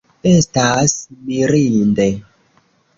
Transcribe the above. Estas mirinde!